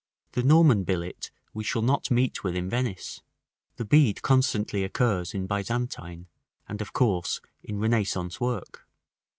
The Norman billet we shall not meet with in Venice; the bead constantly occurs in Byzantine, and of course in Renaissance work.